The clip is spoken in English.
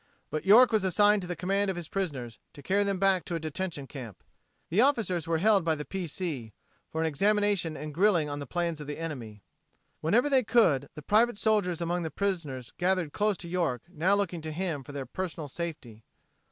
But York was assigned to the command of his prisoners, to carry them back to a detention camp. The officers were held by the P. C. for an examination and grilling on the plans of the enemy. Whenever they could the private soldiers among the prisoners gathered close to York, now looking to him for their personal safety.